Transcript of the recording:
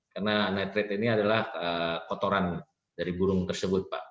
karena nitrit ini adalah kotoran dari burung tersebut pak